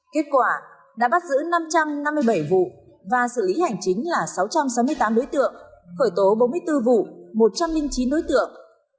kết quả đã bắt giữ năm trăm năm mươi bảy vụ và xử lý hành chính là sáu trăm sáu mươi tám đối tượng khởi tố bốn mươi bốn vụ một trăm linh chín đối tượng